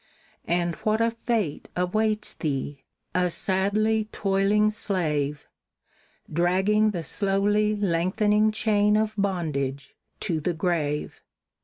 "And what a fate awaits thee! a sadly toiling slave, Dragging the slowly lengthening chain of bondage to the grave!